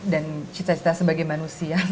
dan cita cita sebagai manusia